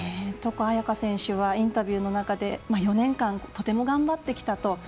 床亜矢可選手はインタビューの中で４年間、とても頑張ってきたと。